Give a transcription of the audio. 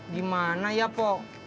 gimana ya pok